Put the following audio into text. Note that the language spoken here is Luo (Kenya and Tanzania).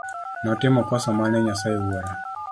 Notimo kosa mane Nyasaye Wuora.